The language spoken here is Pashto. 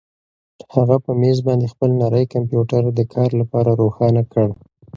هغه په مېز باندې خپل نری کمپیوټر د کار لپاره روښانه کړ.